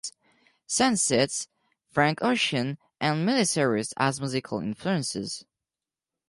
Sant cites Frank Ocean and Miley Cyrus as musical influences.